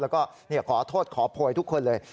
แล้วก็ขอโทษขอโพยทุกคนเลย